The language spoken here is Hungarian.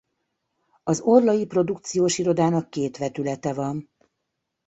Az Orlai Produkciós Irodának két vetülete van.